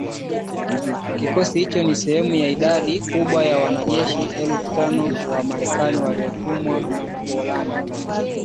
Kikosi hicho ni sehemu ya idadi kubwa ya wanajeshi elfu tano wa Marekani waliotumwa Poland